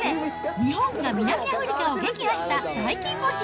日本が南アフリカを撃破した大金星！